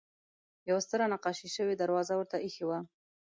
یوه ستره نقاشي شوې دروازه ورته اېښې وه.